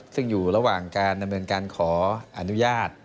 ซึ่งอยู่ระหว่างการดำเนินการขออนุญาต